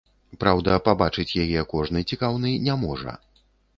Праўда, пабачыць яе кожны цікаўны не можа.